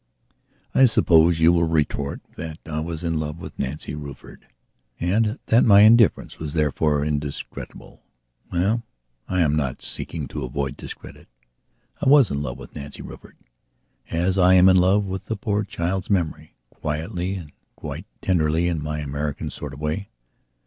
I suppose you will retort that I was in love with Nancy Rufford and that my indifference was therefore discreditable. Well, I am not seeking to avoid discredit. I was in love with Nancy Rufford as I am in love with the poor child's memory, quietly and quite tenderly in my American sort of way.